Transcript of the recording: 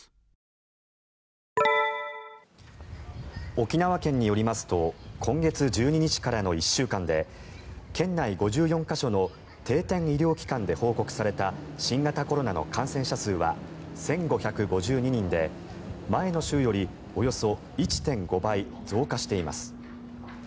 沖縄県によりますと今月１２日からの１週間で県内５４か所の定点医療機関で報告された新型コロナの感染者数は１５５２人で前の週よりおよそ１．５倍増加しています。